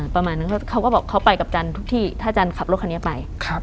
ประมาณนั้นเขาก็บอกเขาไปกับจันทร์ทุกที่ถ้าจันขับรถคันนี้ไป